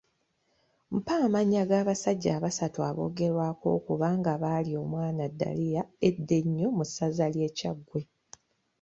Mpa amannya g’abasajja abasatu aboogerwako okuba nga baalya omwana Daliya edda ennyo mu Ssaza lye Kyaggwe.